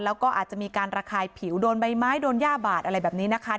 แล้วก็อาจจะมีการระคายผิวโดนใบไม้โดนย่าบาดอะไรแบบนี้นะคะ